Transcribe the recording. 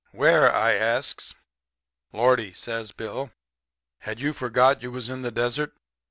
"'Where?' I asks. "'Lordy!' says Bill, 'had you forgot you was in the desert?